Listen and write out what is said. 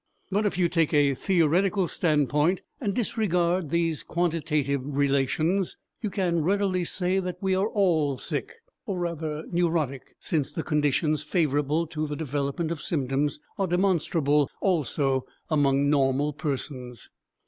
But if you take a theoretical standpoint and disregard these quantitative relations, you can readily say that we are all sick, or rather neurotic, since the conditions favorable to the development of symptoms are demonstrable also among normal persons.